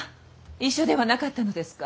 一緒ではなかったのですか？